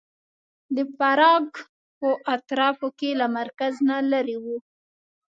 د پراګ په اطرافو کې له مرکز نه لرې و.